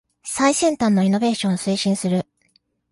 最先端のイノベーションを推進する